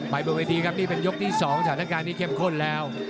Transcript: บร์มเวทีครับนี่เป็นยุคที่๒ศัลติการที่เข้มข้นแล้ว